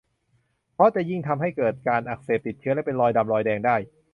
เพราะจะยิ่งทำให้เกิดการอักเสบ ติดเชื้อ และเป็นรอยดำรอยแดงได้